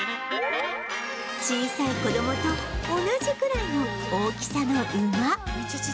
小さい子どもと同じくらいの大きさの馬